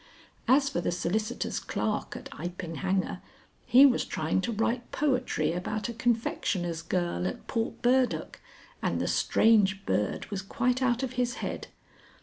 As for the solicitor's clerk at Iping Hanger, he was trying to write poetry about a confectioner's girl at Portburdock, and the Strange Bird was quite out of his head.